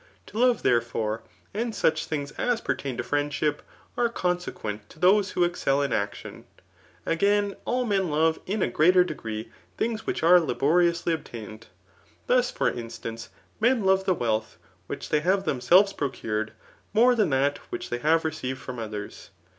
To love^ therefore, and such things as pertab to friwdship, are consequent to those who excd, in action. Ag^un, all men love in a greater degree diings which are laboriously obtained. Thus, for in stance, men love the wealth which they have tfaonselves procured, niore than that which they have received from <^ers.